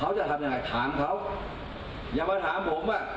เขาจะทำยังไงถามเขาอย่ามาถามผมว่า